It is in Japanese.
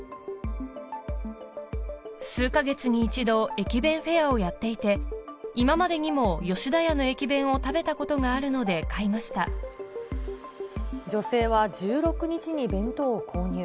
数か月に１度、駅弁フェアをやっていて、今までにも吉田屋の駅弁を食べたことがあるので、女性は１６日に弁当を購入。